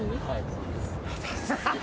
そうです。